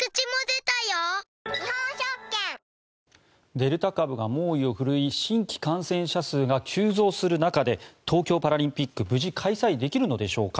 デルタ株が猛威を振るい新規感染者数が急増する中で東京パラリンピックは無事開催できるのでしょうか。